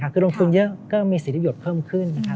คือลงทุนเยอะก็มีสิทธิประโยชน์เพิ่มขึ้นนะครับ